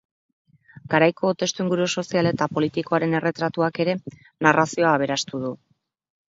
Garaiko testuinguru sozial eta politikoaren erretratuak ere narrazioa aberastu du.